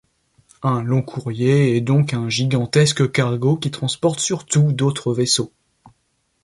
Un long-courrier est donc un gigantesque cargo qui transporte surtout d'autres vaisseaux.